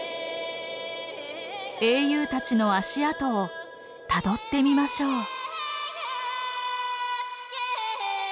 英雄たちの足跡をたどってみましょう。